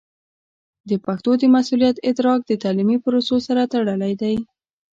د پښتو د مسوولیت ادراک د تعلیمي پروسو سره تړلی دی.